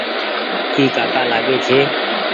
اي ڪآڪآ لآگي ڇي۔